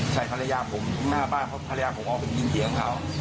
ใส่ภรรยาผมหน้าบ้านเพราะภรรยาผมเอาไปดีกว่าเขา